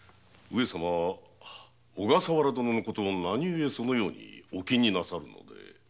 小笠原殿のことを何故そのようにお気になさるので？